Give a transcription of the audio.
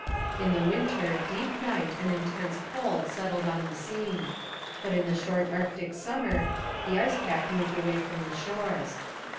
In the winter deep night and intense cold settled on the scene. But in the short Arctic summer the ice pack moved away from the shores.